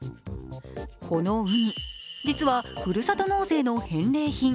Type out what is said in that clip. このうに、実は、ふるさと納税の返礼品。